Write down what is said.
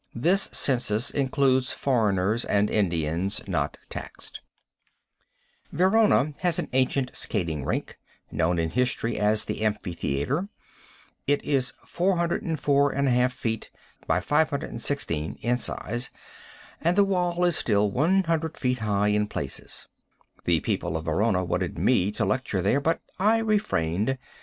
This census includes foreigners and Indians not taxed. Verona has an ancient skating rink, known in history as the amphitheatre, It is 404 1/2 feet by 516 in size, and the wall is still 100 feet high in places. The people of Verona wanted me to lecture there, but I refrained.